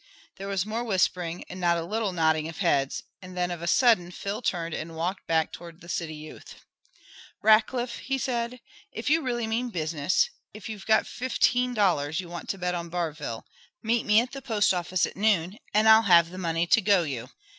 There was more whispering and not a little nodding of heads, and then of a sudden Phil turned and walked back toward the city youth. "Rackliff," he said, "if you really mean business, if you've got fifteen dollars you want to bet on Barville, meet me at the post office at noon, and I'll have the money to go you."